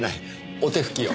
お手拭を。